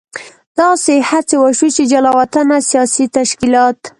داسې هڅې وشوې چې جلا وطنه سیاسي تشکیلات.